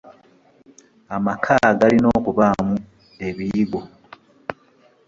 Amaka galina okubamu ebiyigo.